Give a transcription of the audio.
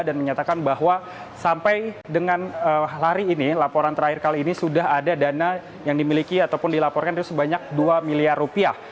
dan menyatakan bahwa sampai dengan hari ini laporan terakhir kali ini sudah ada dana yang dimiliki ataupun dilaporkan itu sebanyak dua miliar rupiah